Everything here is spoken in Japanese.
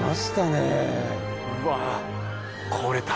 うわ。